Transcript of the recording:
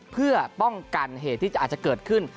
เพื่อป้องกันเหตุที่อาจจะเกิดขึ้น